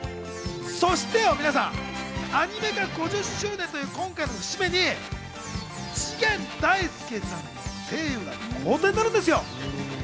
そして、アニメ化５０周年という今回の節目に、次元大介さんの声優が交代になるんです。